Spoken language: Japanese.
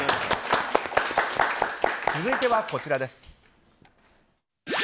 続いては、こちらです。